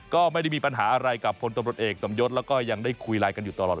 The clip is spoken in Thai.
ก็ไม่ได้มีปัญหาอะไรกับพลตำรวจเอกสมยศแล้วก็ยังได้คุยไลน์กันอยู่ตลอด